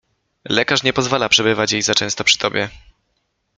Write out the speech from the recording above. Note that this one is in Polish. — Lekarz nie pozwala przebywać jej za często przy tobie.